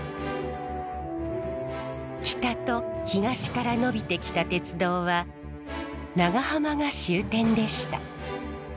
北と東から延びてきた鉄道は長浜が終点でした。